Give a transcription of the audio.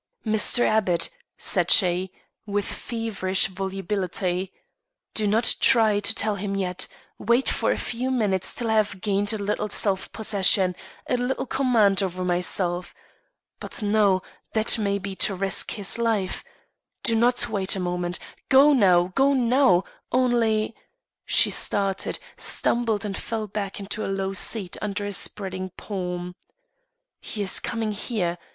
"Mr. Abbott," said she, with feverish volubility, "do not try to tell him yet; wait for a few minutes till I have gained a little self possession, a little command over myself; but no that may be to risk his life do not wait a moment go now, go now, only " She started, stumbled and fell back into a low seat under a spreading palm. "He is coming here.